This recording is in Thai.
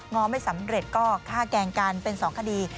้อไม่สำเร็จก็ฆ่าแกล้งกันเป็น๒คดี